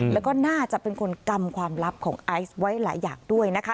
แล้วก็น่าจะเป็นคนกำความลับของไอซ์ไว้หลายอย่างด้วยนะคะ